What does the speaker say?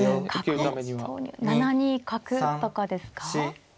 ７二角とかですか。